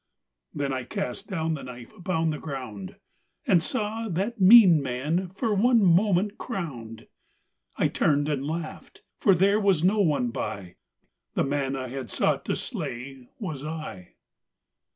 Then I cast down the knife upon the ground And saw that mean man for one moment crowned. I turned and laughed: for there was no one by The man that I had sought to slay was I.